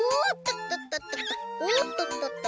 おっととととと。